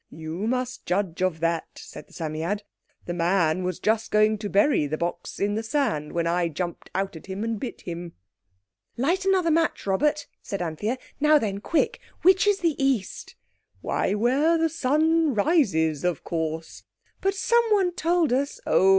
"You must judge of that," said the Psammead. "The man was just going to bury the box in the sand when I jumped out at him and bit him." "Light another match, Robert," said Anthea. "Now, then quick! which is the East?" "Why, where the sun rises, of course!" "But someone told us—" "Oh!